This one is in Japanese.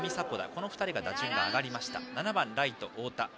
この２人は打順が今日上がりました。